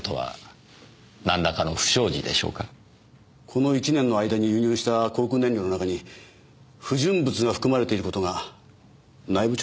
この１年の間に輸入した航空燃料の中に不純物が含まれている事が内部調査で判明したんです。